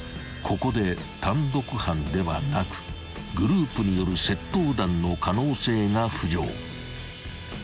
［ここで単独犯ではなくグループによる窃盗団の可能性が浮上］